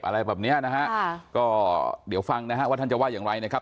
อะไรแบบเนี้ยนะฮะก็เดี๋ยวฟังนะฮะว่าท่านจะว่าอย่างไรนะครับ